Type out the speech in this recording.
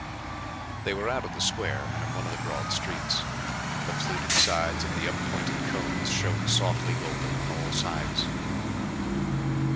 They were out of the square and in one of the broad streets. The fluted sides of the unpointed cones shone softly golden on all sides.